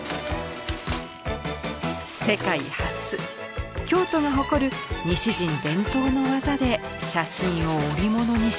世界初京都が誇る西陣伝統の技で写真を織物に仕立てます。